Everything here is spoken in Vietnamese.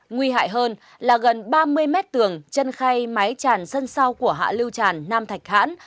nguy hại hơn là gần ba mươi mét tường chân khay mái tràn sân sau của hạ lưu tràn nam thạch hãn